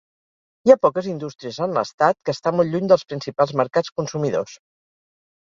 Hi ha poques indústries en l'estat, que està molt lluny dels principals mercats consumidors.